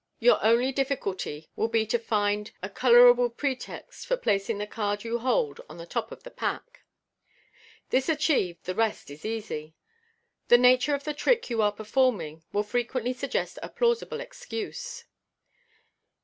Your only difficulty will be to find a colourable pretext for MODERN MAGIC. 31 placing the card you hold on the top of the pack. This achieved, the rest is easy. The nature of the trick you are performing will frequently suggest a plausible excuse.